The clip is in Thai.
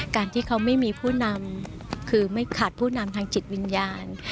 การที่เขาไม่มีผู้นำคือไม่ขาดผู้นำทางจิตวิญญาณ